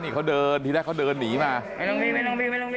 นี่เขาเดินท่ีแรกเขาเดินหนีมาไม่ต้องมี